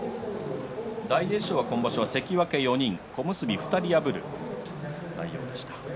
大栄翔は今場所関脇４人小結２人を破る内容でした。